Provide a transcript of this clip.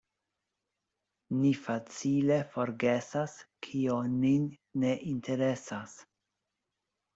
Ni facile forgesas, kio nin ne interesas.